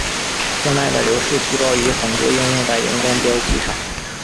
现代的流式细胞仪很多应用在荧光标记上。